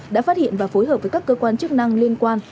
đã phát hiện và phối hợp với các cơ quan chức năng liên quan